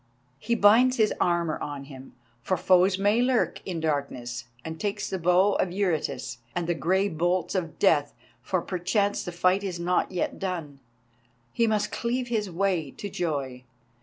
He binds his armour on him, for foes may lurk in darkness, and takes the Bow of Eurytus, and the grey bolts of death; for perchance the fight is not yet done, he must cleave his way to joy.